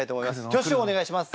挙手をお願いします。